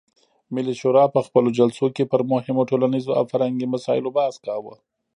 ملي شورا په خپلو جلسو کې پر مهمو ټولنیزو او فرهنګي مسایلو بحث کاوه.